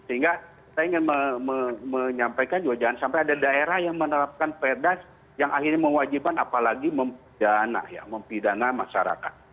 sehingga saya ingin menyampaikan juga jangan sampai ada daerah yang menerapkan perda yang akhirnya mewajibkan apalagi mempidana ya mempidana masyarakat